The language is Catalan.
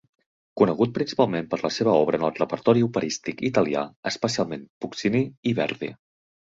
Conegut principalment per la seva obra en el repertori operístic italià, especialment Puccini i Verdi.